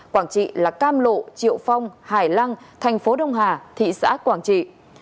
quảng trị là cam lộ triệu phong hải lăng thành phố đông hà thị xã quảng trị